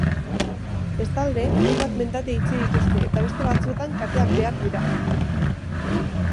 Bestalde, hainbat mendate itxi dituzte, eta beste batzuetan kateak behar dira.